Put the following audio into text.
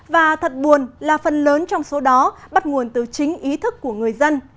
và thật buồn là phần lớn trong số đó bắt nguồn từ chính ý thức của người dân